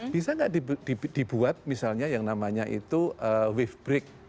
bisa tidak dibuat misalnya yang namanya itu web brick